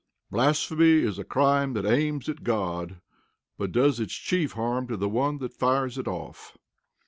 Blasphemy is a crime that aims at God, but does its chief harm to the one that fires it off.